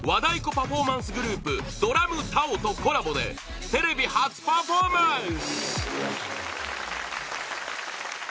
パフォーマンスグループＤＲＵＭＴＡＯとコラボでテレビ初パフォーマンス！